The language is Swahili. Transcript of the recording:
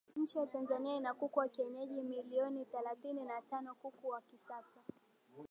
Nchi ya Tanzania ina kuku wa kienyeji milioni thelathini na tano kuku wa kisasa